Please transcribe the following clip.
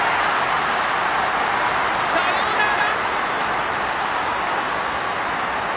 サヨナラ！